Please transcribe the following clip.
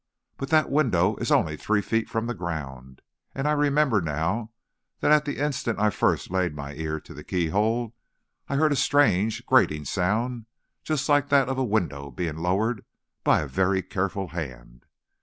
But that window is only three feet from the ground, and I remember now that at the instant I first laid my ear to the keyhole, I heard a strange, grating sound just like that of a window being lowered by a very careful hand.